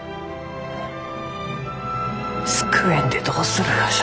救えんでどうするがじゃ？